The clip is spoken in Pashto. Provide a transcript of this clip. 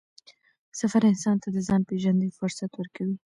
سفر انسان ته د ځان پېژندنې فرصت ورکوي